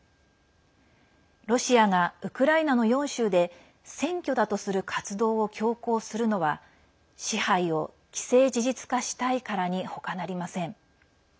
ロシアがウクライナの４州で選挙だとする活動を強行するのは支配を既成事実化したいからに他なりません。